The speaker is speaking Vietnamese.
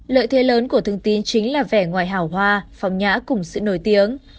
lợi thế lớn của thương tín chính là vẻ ngoài hào hoa phòng nhã cùng sự nổi tiếng